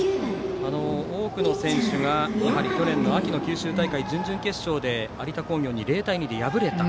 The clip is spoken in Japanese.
多くの選手が去年の秋の九州大会、準々決勝で有田工業に０対２で敗れた。